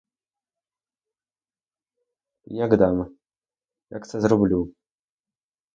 І як дам, як я це зроблю?